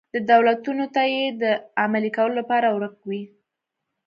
دولتونو ته یې د عملي کولو لپاره ورک وي.